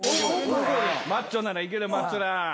マッチョならいけるマッチョなら。